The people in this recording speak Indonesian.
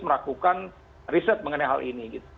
melakukan riset mengenai hal ini